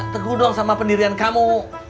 teguh dong sama pendirian kamu